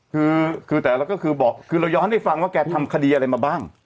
คือคือแต่เราก็คือบอกคือเราย้อนให้ฟังว่าแกทำคดีอะไรมาบ้าง